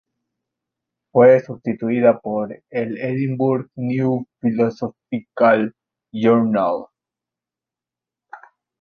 Fue sustituida por el "Edinburgh New Philosophical Journal".